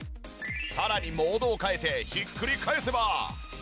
さらにモードを変えてひっくり返せば。